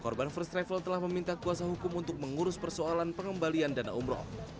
korban first travel telah meminta kuasa hukum untuk mengurus persoalan pengembalian dana umroh